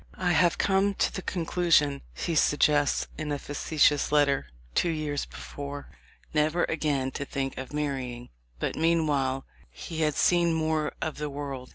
"I have come to the conclusion," he suggests in a facetious letter, two years before, "never again to think of marrying." But meanwhile he had seen more of the world.